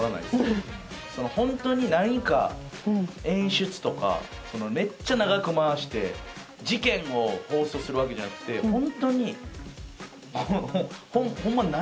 ホントに何か演出とかめっちゃ長く回して事件を放送するわけじゃなくてホントにホンマ何？